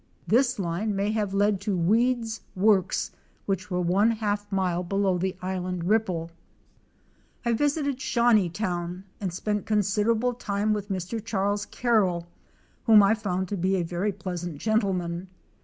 This line may have led to Weed's works which were one half mile below the island ripple. I visited Shawneetown and spent considerable time with Mr. Charles Carroll whom I found to be a very pleasant gentleman.